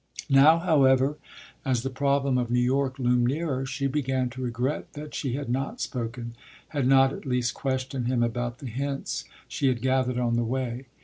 Now, however, as the problem of New York loomed nearer, she began to regret that she had not spoken, had not at least questioned him about the hints she had gathered on the way.